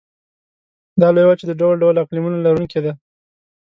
دا لویه وچه د ډول ډول اقلیمونو لرونکې ده.